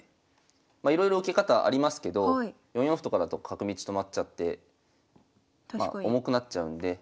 まあいろいろ受け方ありますけど４四歩とかだと角道止まっちゃって重くなっちゃうんで。